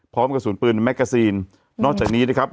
พร้อมกับสูญปืนแม็กซีนนอกจากนี้นะครับ